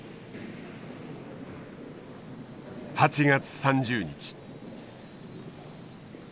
８月３０日。